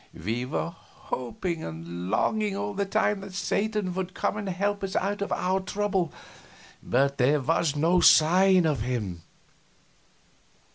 We were hoping and longing all the time that Satan would come and help us out of our trouble, but there was no sign of him.